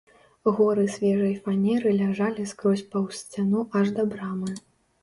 Горы свежай фанеры ляжалі скрозь паўз сцяну аж да брамы.